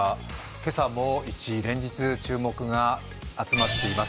今朝も１位、連日注目が集まっています。